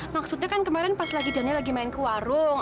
maksudnya kan kemarin pas lagi daniel lagi main ke warung